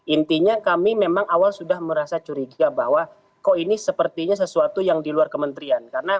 intinya kami memang awal sudah merasa curiga bahwa kok ini sepertinya sesuatu yang di luar kementerian